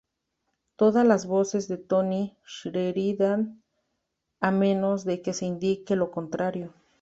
Todas las voces de Tony Sheridan a menos que se indique lo contrario.